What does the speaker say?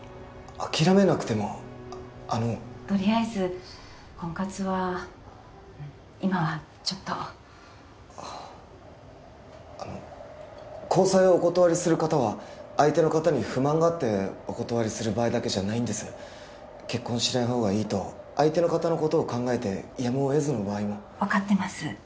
諦めなくてもあのとりあえず婚活は今はちょっとあああの交際をお断りする方は相手の方に不満があってお断りする場合だけじゃないんです結婚しない方がいいと相手の方のことを考えてやむを得ずの場合も分かってます